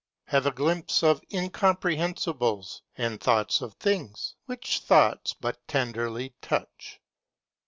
Have a glimpse of incomprehensibles; and thoughts of things, which thoughts but tenderly touch.